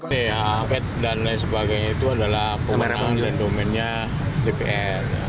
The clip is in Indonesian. dha pet dan lain sebagainya itu adalah pemerintah dan domennya dpr